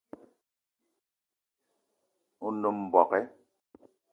O nem mbogue